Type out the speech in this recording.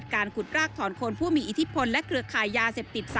การขุดรากถอนคนผู้มีอิทธิพลและเครือขายยาเสพติด๓